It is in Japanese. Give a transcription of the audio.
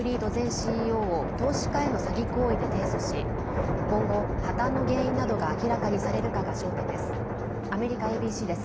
ＣＥＯを投資家への詐欺行為で提訴し今後、破綻の原因などが明らかにされるかが焦点です。